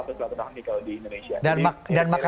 apa salahnya kalau di indonesia